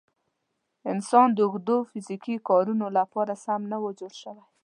انسان د اوږدو فیزیکي کارونو لپاره سم نه و جوړ شوی.